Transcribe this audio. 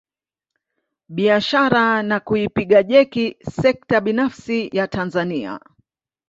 Biashara na kuipiga jeki sekta binafsi ya Tanzania